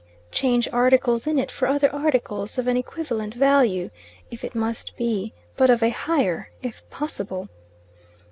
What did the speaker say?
change articles in it for other articles of an equivalent value, if it must be, but of a higher, if possible.